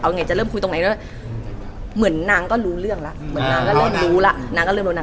เอาไงจะเริ่มคุยตรงไหนด้วยเหมือนนางก็รู้เรื่องแล้วเหมือนนางก็เริ่มรู้แล้ว